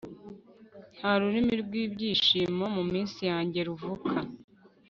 nta rumuri rw'ibyishimo mu minsi yanjye ruvuka